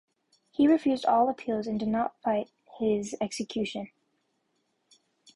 He refused all appeals and did not fight his execution.